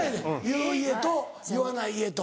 言う家と言わない家と。